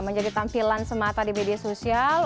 menjadi tampilan semata di media sosial